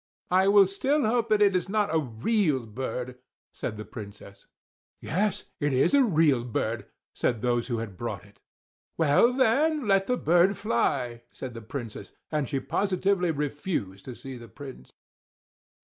"I will still hope that it is not a real bird," said the Princess. "Yes, it is a real bird," said those who had brought it. "Well then let the bird fly," said the Princess; and she positively refused to see the Prince.